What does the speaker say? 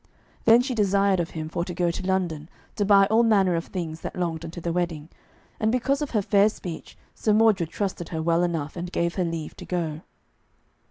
Then she desired of him for to go to London, to buy all manner of things that longed unto the wedding, and because of her fair speech Sir Mordred trusted her well enough, and gave her leave to go.